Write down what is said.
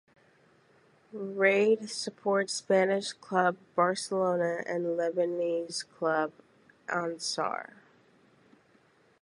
Raed supports Spanish club Barcelona and Lebanese club Ansar.